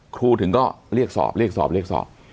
ถึงก็เรียกสอบเรียกสอบเรียกสอบ